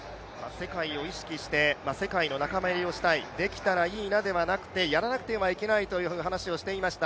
世界を意識して世界の仲間入りをしたい、できたらいいなではなくて、やらなくてはいけないという話をしていました、